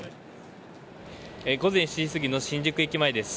午前７時過ぎの新宿駅前です。